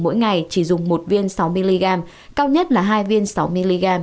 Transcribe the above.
mỗi ngày chỉ dùng một viên sáu mg cao nhất là hai viên sáu mg